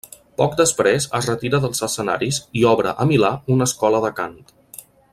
Poc després es retira dels escenaris i obre a Milà una escola de cant.